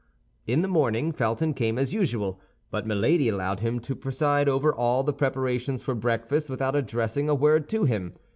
In the morning, Felton came as usual; but Milady allowed him to preside over all the preparations for breakfast without addressing a word to him.